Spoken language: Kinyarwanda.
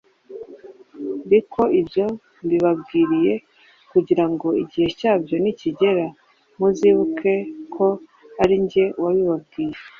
riko ibyo mbibabwiriye kugira ngo igihe cyabyo nikigera, muzibuke ko ari jye wabibabwiye.